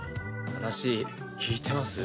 話聞いてます？